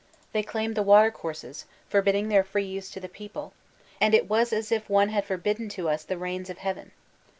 They claimed the watercourses, forbidding their free use to the people; and it was as if one had forbidden to us the rains of heaven.